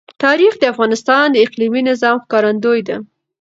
تاریخ د افغانستان د اقلیمي نظام ښکارندوی ده.